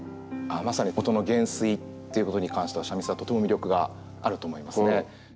ああまさに音の減衰っていうことに関しては三味線はとても魅力があると思いますね。